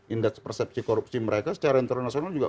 indeks persepsi korupsi mereka secara internasional juga